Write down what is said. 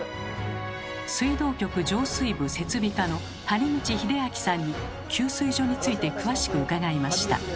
水道局浄水部設備課の谷口秀昭さんに給水所について詳しく伺いました。